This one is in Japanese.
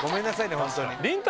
本当に。